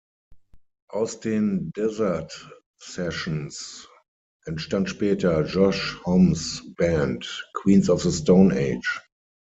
Aus den Desert Sessions entstand später Josh Hommes Band Queens of the Stone Age.